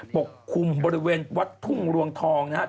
ปกคุมบริเวณวัดทุ่งลวงทองนะฮะ